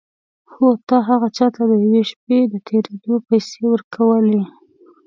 هو تا هغه چا ته د یوې شپې د تېرېدو پيسې ورکولې.